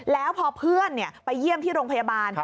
แล้วพอเพื่อนไปเยี่ยมที่โรงพยาบาล